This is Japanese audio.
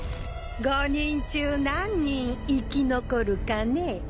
５人中何人生き残るかねぇ？